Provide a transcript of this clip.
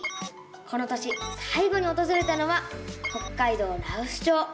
この年さい後におとずれたのは北海道羅臼町。